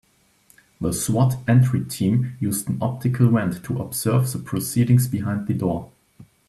The S.W.A.T. entry team used an optical wand to observe the proceedings behind the door.